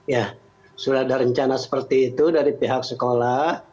ya sudah ada rencana seperti itu dari pihak sekolah